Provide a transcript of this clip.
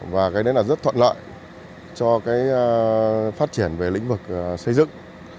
và rất thuận lợi cho phát triển về lĩnh vực xây dựng